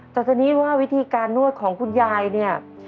แต่ทีนี้ว่าวิธีการนวดของคุณยายเนี่ย